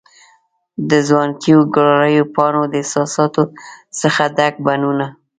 د ځوانکیو، ګلالیو پانو د احساساتو څخه ډک بڼوڼه